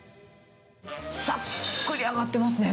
さっくり揚がってますね。